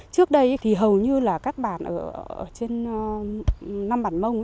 trước đây thì hầu như là các bản ở trên năm bản mông